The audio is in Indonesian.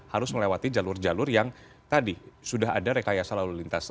harus melewati jalur jalur yang tadi sudah ada rekayasa lalu lintas